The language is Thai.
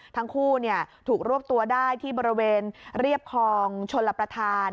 ทั้งคู่ถูกรวบตัวได้ที่บริเวณเรียบคลองชลประธาน